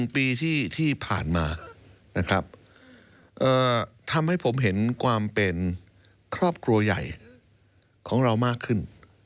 ๑ปีที่ผ่านมานะครับทำให้ผมเห็นความเป็นครอบครัวใหญ่ของเรามากขึ้น